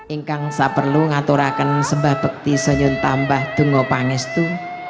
ingkang sa perlu ngaturakan sembah bekti senyum tambah dungo pangestu